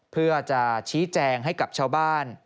เพื่อจะชี้แจงให้กับชาวบ้าน